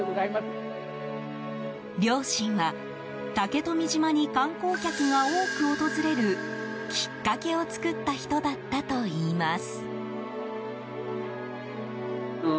両親は、竹富島に観光客が多く訪れるきっかけを作った人だったといいます。